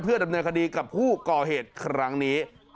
เพื่อดำเนื้อคดีกับผู้ก่อเหตุครั้งนี้